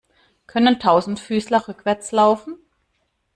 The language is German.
Können Tausendfüßler rückwärts laufen?